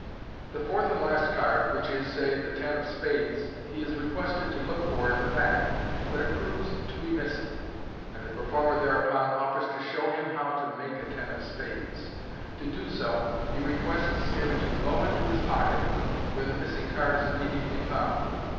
The fourth and last card, which is, say, the ten of spades, he is requested to look for in the pack, but it proves to be missing, and the performer thereupon offers to show him how to make a ten of spades. To do so, he requests him to blow into his pocket, where the missing card is immediately found.